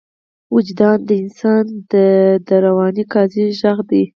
وجدان د انسان د دروني قاضي غږ دی.